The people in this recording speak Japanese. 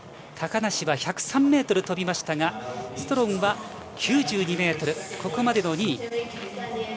高梨は１０３ｍ飛びましたがストロンは９２ｍでここまで２位。